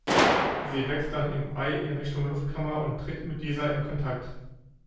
Sie wächst dann im Ei in Richtung Luftkammer und tritt mit dieser in Kontakt.